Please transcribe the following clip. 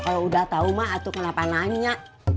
kalau udah tahu mak aku kenapa nanya